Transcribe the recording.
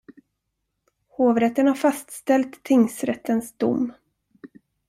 Hovrätten har fastställt tingsrättens dom.